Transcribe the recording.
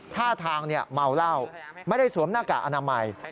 ท่าทางเมาเหล้าไม่ได้สวมหน้ากากอนามัย